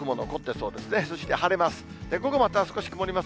そして晴れます。